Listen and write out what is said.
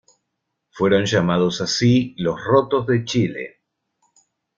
Fueron llamados así los "Rotos de Chile".